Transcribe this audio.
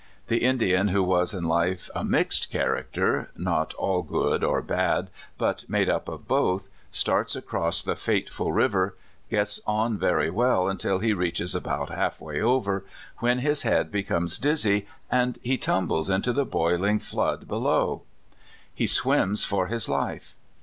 The Indian who w^as in life a mixed character, not all good or bad, but made up of both, starts across the fateful river, gets on very well until he reaches about hallwav over, when his head be comes dizzy, and he tumbles into the boiling flood below. He swims for his Hfe.